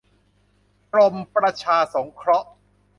กรมประชาสงเคราะห์